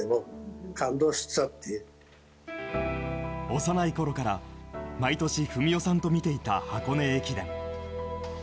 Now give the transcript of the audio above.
幼いころから毎年文雄さんと見ていた箱根駅伝。